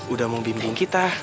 udah mau bimbing kita